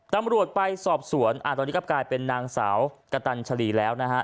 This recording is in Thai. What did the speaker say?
ตำรวจไปสอบสวนตอนนี้ก็กลายเป็นนางสาวกะตันชลีแล้วนะฮะ